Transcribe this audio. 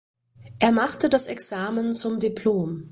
Er machte das Examen zum Dipl.